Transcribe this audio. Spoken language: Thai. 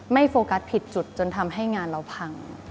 โฟกัสผิดจุดจนทำให้งานเราพัง